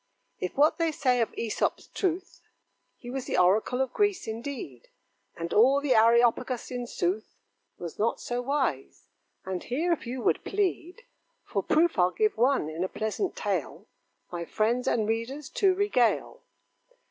If what they say of Æsop's truth, He was the oracle of Greece indeed; And all the Areopagus, in sooth, Was not so wise. And here, if you would plead For proof, I'll give one, in a pleasant tale, My friends and readers to regale.